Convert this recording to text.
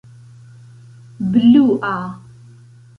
blua